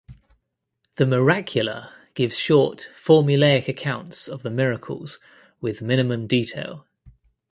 The "Miracula" gives short formulaic accounts of the miracles with minimum detail.